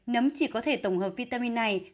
nấm chỉ có thể tổng hợp vitamin này